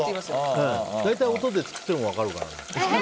大体音で作ってるの分かるから。